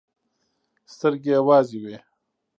سترګې يې وازې وې.